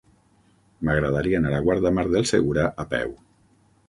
M'agradaria anar a Guardamar del Segura a peu.